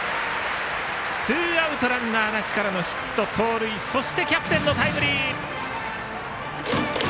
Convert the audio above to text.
ツーアウト、ランナーなしからのヒット、盗塁そしてキャプテンのタイムリー！